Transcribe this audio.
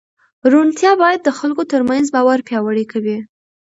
روڼتیا بیا د خلکو ترمنځ باور پیاوړی کوي.